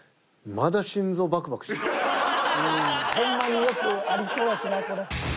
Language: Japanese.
ほんまによくありそうやしなこれ。